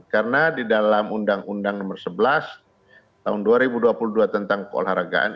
karena di dalam undang undang nomor sebelas tahun dua ribu dua puluh dua tentang keolahragaan